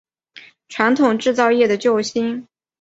传统制造业的救星